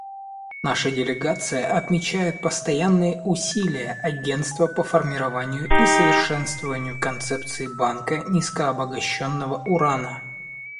Наша делегация отмечает постоянные усилия Агентства по формированию и совершенствованию концепции банка низкообогащенного урана.